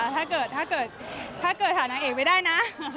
ถ้าเกิดหานางเอกไปได้นะ